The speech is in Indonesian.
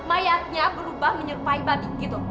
mayatnya berubah menyerupai batu gitu